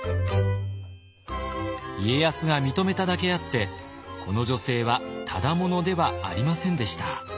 家康が認めただけあってこの女性はただ者ではありませんでした。